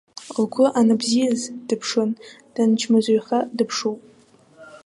Лгәы анбзиаз дыԥшын, данчмазаҩха дыԥшуп!